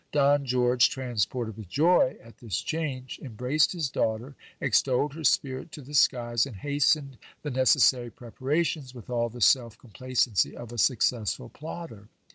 Don George, transported with joy at this change, embraced his daughter, extolled her spirit to the skies, and hastened the ne cessary preparations, with all the self complacency of a successful plotter.